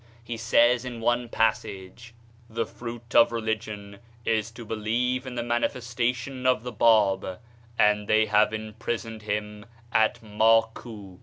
He says in one passage : "The fruit of religion is to believe in the manifestation of the Bab, and they have im prisoned him at Makou!"